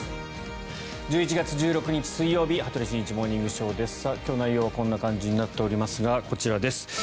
１１月１６日、水曜日「羽鳥慎一モーニングショー」。今日、内容はこんな感じになっておりますがこちらです。